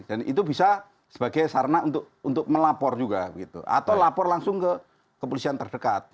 dan itu bisa sebagai sarana untuk melapor juga atau lapor langsung ke polisi yang terdekat